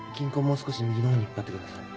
もう少し右のほうに引っ張ってください。